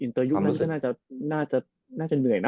เตอร์ยุคนั้นก็น่าจะเหนื่อยนะ